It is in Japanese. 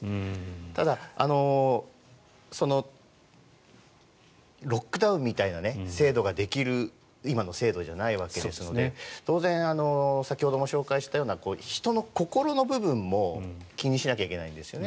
ただ、ロックダウンみたいな制度ができる今の制度じゃないわけですので当然、先ほども紹介したような人の心の部分も気にしないといけないんですよね。